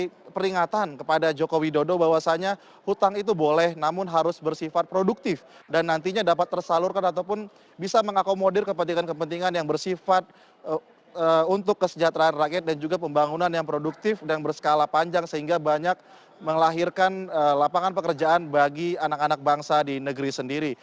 saya peringatan kepada joko widodo bahwasannya hutang itu boleh namun harus bersifat produktif dan nantinya dapat tersalurkan ataupun bisa mengakomodir kepentingan kepentingan yang bersifat untuk kesejahteraan rakyat dan juga pembangunan yang produktif dan berskala panjang sehingga banyak menglahirkan lapangan pekerjaan bagi anak anak bangsa di negeri sendiri